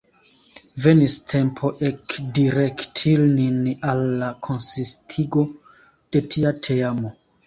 Venis tempo ekdirekti nin al la konsistigo de tia teamo.